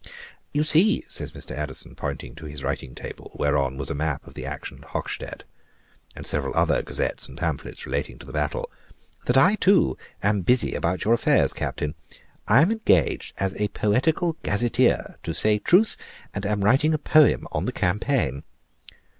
"You see," says Mr. Addison, pointing to his writing table, whereon was a map of the action at Hochstedt, and several other gazettes and pamphlets relating to the battle, "that I, too, am busy about your affairs, Captain. I am engaged as a poetical gazetteer, to say truth, and am writing a poem on the campaign."